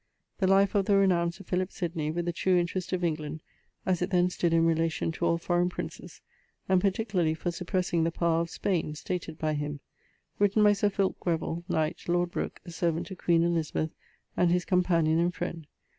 'The life of the renowned Sir Philip Sidney, with the true Interest of England, as it then stood in relation to all Forrain Princes: And particularly for suppressing the power of Spain, stated by him. Written by Sir Fulke Grevil, knight, lord Brook, a servant to Queen Elisabeth, and his companion and friend.